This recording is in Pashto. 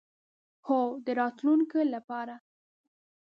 هو، د راتلونکی لپاره